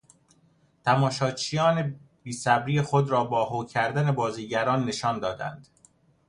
تماشاچیان بیصبری خود را با هو کردن بازیگران نشان دادند.